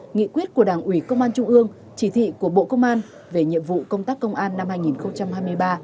nghị quyết của đảng ủy công an trung ương chỉ thị của bộ công an về nhiệm vụ công tác công an năm hai nghìn hai mươi ba